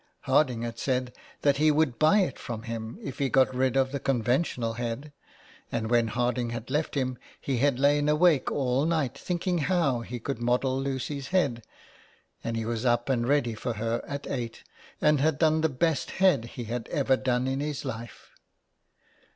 Harding had said that he would buy it from him if he got rid of the conventional head, and when Harding had left him he had lain awake all night thinking how he should model Lucy's head, and he was up and ready for her at eight, and had done the best head he had ever done in his life.